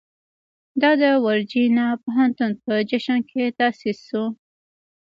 دا د ورجینیا پوهنتون په جشن کې تاسیس شو.